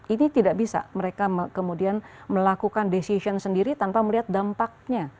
ini tidak bisa mereka kemudian melakukan decision sendiri tanpa melihat dampaknya